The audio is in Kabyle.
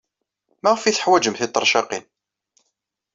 Maɣef ay teḥwajem tiṭercaqin?